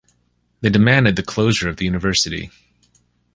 They demanded the closure of the university.